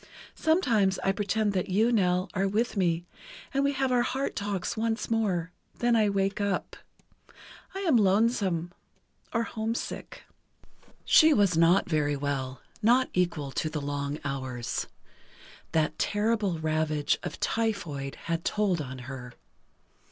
Sometimes I pretend that you, Nell, are with me, and we have our heart talks once more; then I wake up.... I am lonesome, or homesick. She was not very well, not equal to the long hours. That terrible ravage of typhoid had told on her.